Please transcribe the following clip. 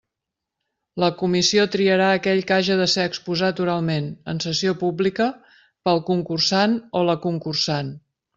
La comissió triarà aquell que haja de ser exposat oralment, en sessió pública, pel concursant o la concursant.